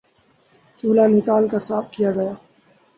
چولہا نکال کر صاف کیا گیا